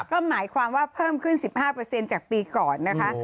ก็หมายความว่าเพิ่มขึ้น๑๕จากปีก่อนนะคะ